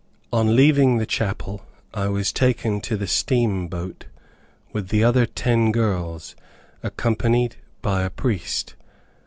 On leaving the chapel, I was taken to the steamboat, with the other ten girls, accompanied by a priest.